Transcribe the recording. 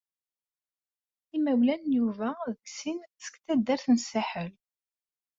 Imawlan n Yuba deg sin seg taddart n Saḥel.